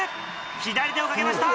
左手をかけました